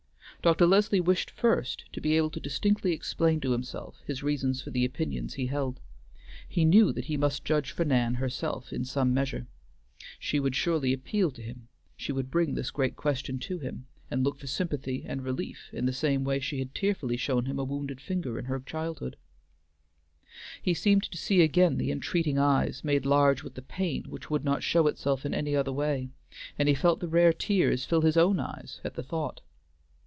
Dr. Leslie wished first to be able to distinctly explain to himself his reasons for the opinions he held; he knew that he must judge for Nan herself in some measure; she would surely appeal to him; she would bring this great question to him, and look for sympathy and relief in the same way she had tearfully shown him a wounded finger in her childhood. He seemed to see again the entreating eyes, made large with the pain which would not show itself in any other way, and he felt the rare tears fill his own eyes at the thought.